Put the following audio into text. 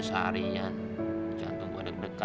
kalau yang lebihuss juga